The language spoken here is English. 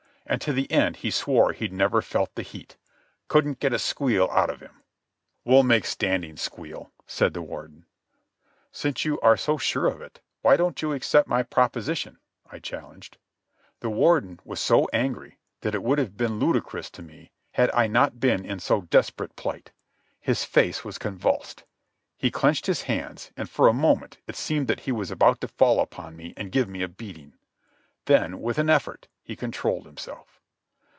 And to the end he swore he'd never felt the heat. Couldn't get a squeal out of him." "We'll make Standing squeal," said the Warden. "Since you are so sure of it, why don't you accept my proposition?" I challenged. The Warden was so angry that it would have been ludicrous to me had I not been in so desperate plight. His face was convulsed. He clenched his hands, and, for a moment, it seemed that he was about to fall upon me and give me a beating. Then, with an effort, he controlled himself.